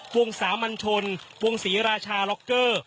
วงสามัญชนวงศรีราชาล็อกเกอร์